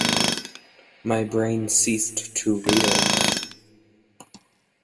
My brain ceased to reel.